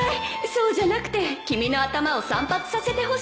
そうじゃなくて君の頭を散髪させてほしいの